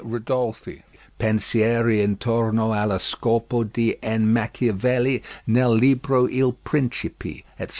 Ridolfi, Pensieri intorno allo scopo di N. Machiavelli nel libro Il Principe, etc.